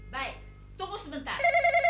baik tunggu sebentar